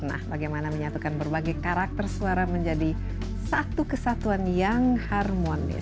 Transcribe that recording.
nah bagaimana menyatukan berbagai karakter suara menjadi satu kesatuan yang harmonis